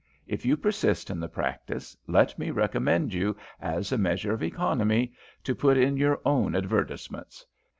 If you persist in the practice, let me recommend you, as a measure of economy, to put in your own advertisements.